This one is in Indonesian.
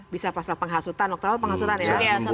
bisa pasal penghasutan waktu penghasutan ya